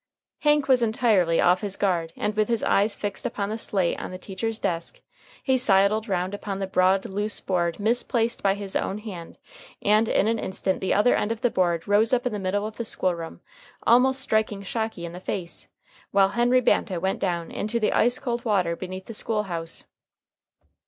Hank was entirely off his guard, and, with his eyes fixed upon the slate on the teacher's desk, he sidled round upon the broad loose board misplaced by his own hand, and in an instant the other end of the board rose up in the middle of the school room, almost striking Shocky in the face, while Henry Banta went down into the ice cold water beneath the school house.